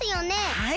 はい！